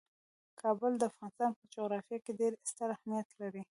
کابل د افغانستان په جغرافیه کې ډیر ستر اهمیت لري.